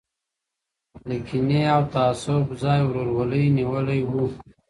د کینې او تعصب ځای ورورولۍ نیولی و.